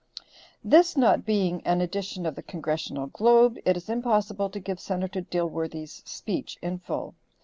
This not being an edition of the Congressional Globe it is impossible to give Senator Dilworthy's speech in full.